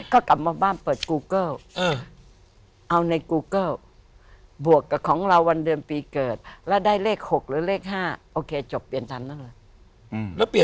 ก็กลับมาบ้านเปิดกูเกิลเอาในกูเกิลบวกกับของเราวันเดือนปีเกิดแล้วได้เลข๖หรือเลข๕โอเคจบเปลี่ยนทันนั่นเลย